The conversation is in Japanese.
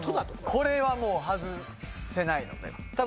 これはもう外せないので多分